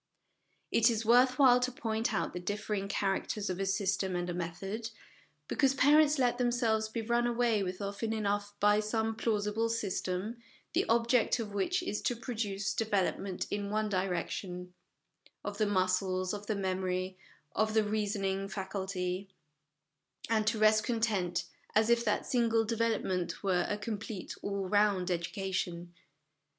It is worth while to point out the differing char acters of a system and a method, because parents let themselves be run away with often enough by some plausible ' system,' the object of which is to produce development in one direction of the muscles, of the memory, of the reasoning faculty and to rest content, as if that single development were a complete all round education.